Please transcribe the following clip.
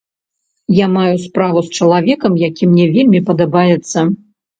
Я маю справу з чалавекам, які мне вельмі падабаецца.